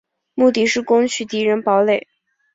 目的是攻取敌人堡垒。